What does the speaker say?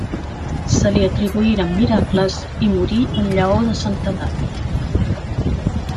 Se li atribuïren miracles i morí en llaor de santedat.